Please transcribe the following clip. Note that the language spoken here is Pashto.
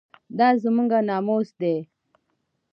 دا زموږ ناموس دی؟